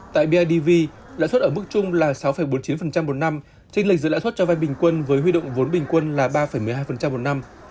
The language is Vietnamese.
tại bidv lãi suất ở mức chung là sáu bốn mươi chín một năm trình lệch giữa lãi suất cho vai bình quân với huy động vốn bình quân là ba một mươi hai một năm